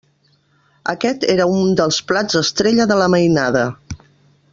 Aquest era un dels plats estrella de la mainada.